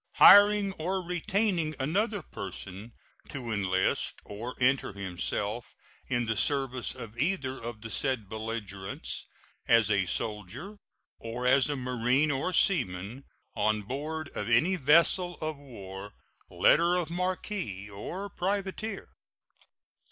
Hiring or retaining another person to enlist or enter himself in the service of either of the said belligerents as a soldier or as a marine or seaman on board of any vessel of war, letter of marque, or privateer.